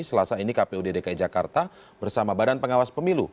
selasa ini kpud dki jakarta bersama badan pengawas pemilu